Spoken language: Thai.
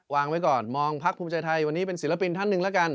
วางไว้ก่อนมองพักภูมิใจไทยวันนี้เป็นศิลปินท่านหนึ่งแล้วกัน